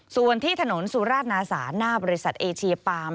ส่วนที่ถนนสุราชนาสาหน้าบริษัทเอเชียปาม